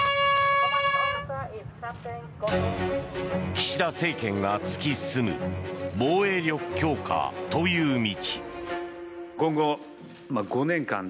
岸田政権が突き進む防衛力強化という道。